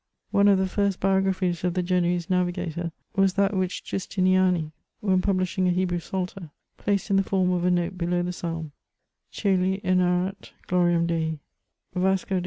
One of the first biographies of the Genoese navigator was that which Gius tiniani, when publishing a Hebrew psalter, placed in the form of a note below the psalm : Cceli enarrant gloriam Dei» Vasco de.